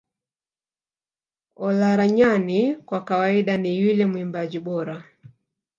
Olaranyani kwa kawaida ni yule mwimbaji bora